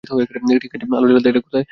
ঠিক আছে, আলো জ্বালাতে এটা কোথায় রাখতে হবে?